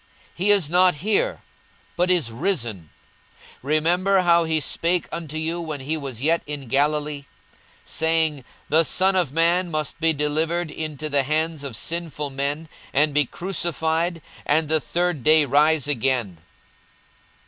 42:024:006 He is not here, but is risen: remember how he spake unto you when he was yet in Galilee, 42:024:007 Saying, The Son of man must be delivered into the hands of sinful men, and be crucified, and the third day rise again.